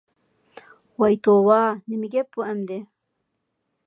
ۋاي توۋا، نېمە گەپ بۇ ئەمدى؟